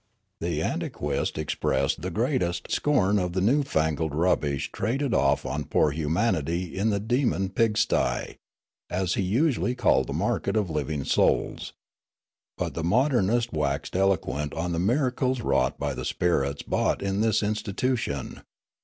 " The antiquist expressed the greatest scorn of the new fangled rubbish traded off on poor humanity in the demon pigsty, as he usually called the market of living souls. But the modernist waxed eloquent on the mira cles wrought by the spirits bought in his institution.